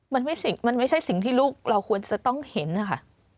มันไม่ใช่สิ่งที่ลูกเราควรจะต้องเห็นนะคะ